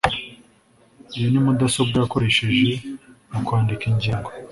Iyo ni mudasobwa yakoresheje mu kwandika ingingo